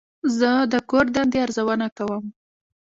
زه د کور دندې ارزونه کوم.